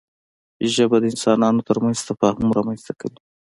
ژبه د انسانانو ترمنځ تفاهم رامنځته کوي